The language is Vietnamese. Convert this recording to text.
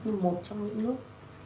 nhưng một trong những nước